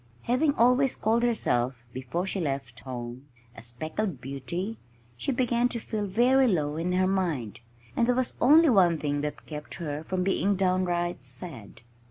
Having always called herself (before she left home) a "speckled beauty," she began to feel very low in her mind. And there was only one thing that kept her from being downright sad.